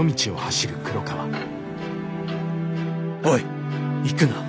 「『おい行くな！